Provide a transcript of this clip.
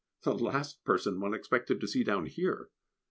The last person one expected to see down here!